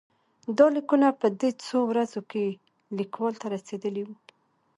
دا لیکونه په دې څو ورځو کې لیکوال ته رسېدلي وو.